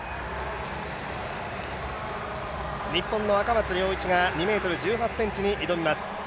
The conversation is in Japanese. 日本の赤松諒一が２ｍ１８ｃｍに挑みます。